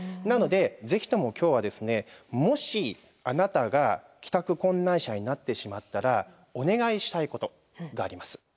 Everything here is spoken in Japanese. なのでぜひとも今日はもしあなたが帰宅困難者になってしまったらお願いしたいことがあります。